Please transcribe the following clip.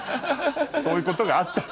そういうことがあったの。